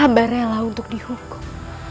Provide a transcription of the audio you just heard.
amba rela untuk dihukum